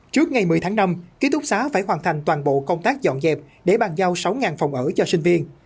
trước ngày một mươi tháng năm ký túc xá phải hoàn thành toàn bộ công tác dọn dẹp để bàn giao sáu phòng ở cho sinh viên